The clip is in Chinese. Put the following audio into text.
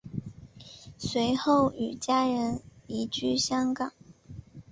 随后与家人移居香港。